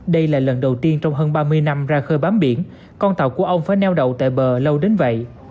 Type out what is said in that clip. đây là lần đầu tiên trong hơn ba mươi năm ra khơi bám biển con tàu của ông phải neo đậu tại bờ lâu đến vậy